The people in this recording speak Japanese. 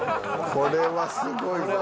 これはすごいぞ。